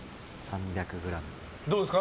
どうですか？